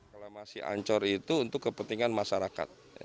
reklamasi ancor itu untuk kepentingan masyarakat